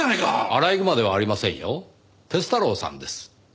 アライグマではありませんよ鐵太郎さんです。